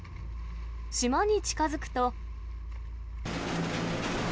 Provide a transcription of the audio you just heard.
島に近づくと。